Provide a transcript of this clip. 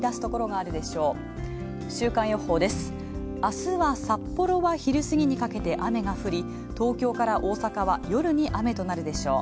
あすは札幌は昼過ぎにかけて雨が降り、東京から大阪は夜に雨となるでしょう。